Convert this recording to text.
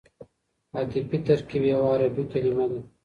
عطفي ترکیب یوه عربي کلیمه ده.